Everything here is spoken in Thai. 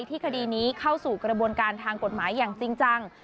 คดีนี้เข้าสู่กระบวนการทางกฎหมายอย่างจริงจัง